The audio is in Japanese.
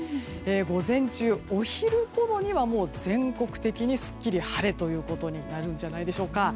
午前中、お昼ごろには全国的にすっきり晴れということになるんじゃないでしょうか。